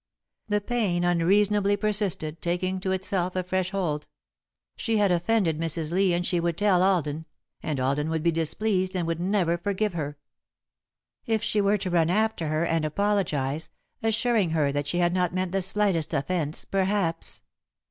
The pain unreasonably persisted, taking to itself a fresh hold. She had offended Mrs. Lee and she would tell Alden, and Alden would be displeased and would never forgive her. If she were to run after her, and apologise, assuring her that she had not meant the slightest offence, perhaps